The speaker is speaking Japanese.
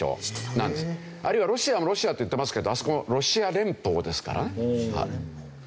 あるいはロシアもロシアって言ってますけどあそこもロシア連邦ですからね。